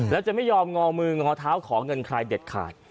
แล้วจะไม่ยอมงอมืองอเท้าขอเงินใครเด็ดขาด